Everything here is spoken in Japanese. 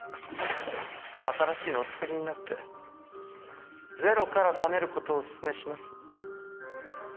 新しいのをお作りになってゼロからためる事をおすすめします。